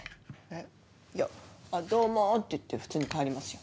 えいや「どうも！」って言って普通に帰りますよ。